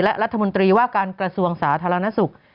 และรัฐมนตรีว่าการกระทรวงสาธารณสุข